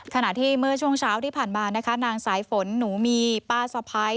ขณะที่เมื่อช่วงเช้าที่ผ่านมานะคะนางสายฝนหนูมีป้าสะพ้าย